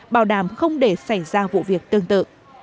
bảo đảm không để xảy ra vụ việc tương tự